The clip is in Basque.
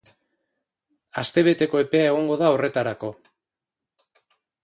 Astebeteko epea egongo da horretarako.